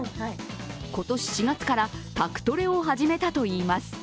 今年４月から宅トレを始めたといいます。